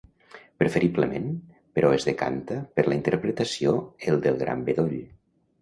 Preferiblement, però es decanta per la interpretació el del gran bedoll.